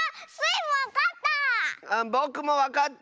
ぼくもわかった！